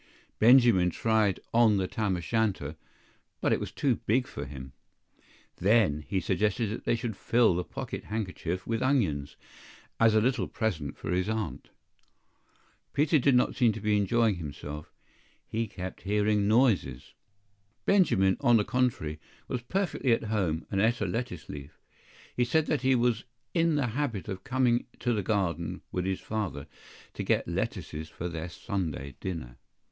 Benjamin tried on the tam o shanter, but it was too big for him. THEN he suggested that they should fill the pocket handkerchief with onions, as a little present for his Aunt. Peter did not seem to be enjoying himself; he kept hearing noises. BENJAMIN, on the contrary, was perfectly at home, and ate a lettuce leaf. He said that he was in the habit of coming to the garden with his father to get lettuces for their Sunday dinner.